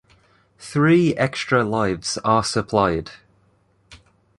Three extra lives are supplied.